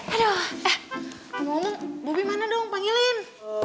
aduh eh om om bopi mana dong panggilin